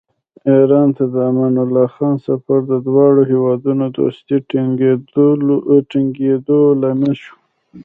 ایران ته د امان الله خان سفر د دواړو هېوادونو دوستۍ ټینګېدو لامل شو.